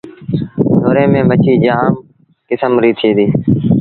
ڍوري ميݩ مڇيٚ جآم ڪسم ريٚ ٿئي ديٚ۔